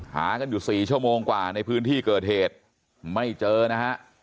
หากันอยู่สี่ชั่วโมงกว่าในพื้นที่เกิดเหตุไม่เจอนะฮะ